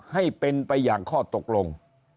ให้เป็นไปอย่างข้อตกลง